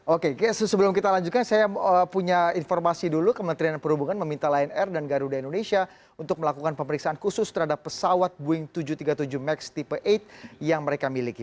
oke sebelum kita lanjutkan saya punya informasi dulu kementerian perhubungan meminta lion air dan garuda indonesia untuk melakukan pemeriksaan khusus terhadap pesawat boeing tujuh ratus tiga puluh tujuh max tipe delapan yang mereka miliki